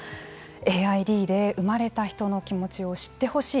ＡＩＤで生まれた人の気持ちを知ってほしい。